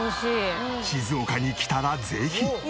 静岡に来たらぜひ！